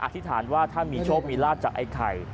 ธิษฐานว่าถ้ามีโชคมีลาบจากไอ้ไข่